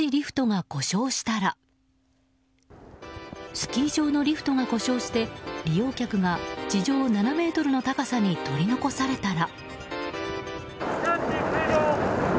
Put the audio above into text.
スキー場のリフトが故障して利用客が地上７ｍの高さに取り残されたら。